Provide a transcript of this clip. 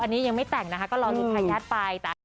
อันนี้ยังไม่แต่งนะคะก็รอลุ้นทายาทไป